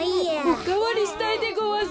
おかわりしたいでごわす！